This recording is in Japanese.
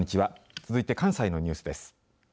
続いて関西のニュースです。